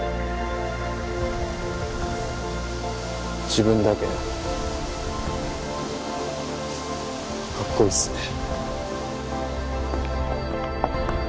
自分だけかっこいいっすね。